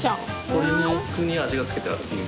鶏肉に味が付けてある。